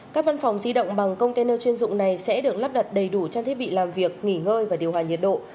các văn phòng di động bằng container chuyên dụng này sẽ được lắp đặt đầy đủ trang thiết bị làm việc nghỉ ngơi và điều hòa nhiệt độ